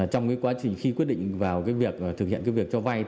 trong quá trình khi quyết định vào việc thực hiện việc cho vay